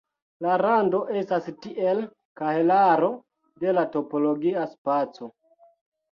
La rando estas tiel kahelaro de la topologia spaco.